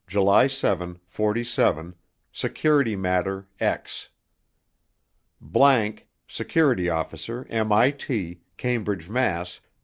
JULY SEVEN, FORTY SEVEN, SECURITY MATTER X. ____, SECURITY OFFICER, M.I.T., CAMBRIDGE, MASS.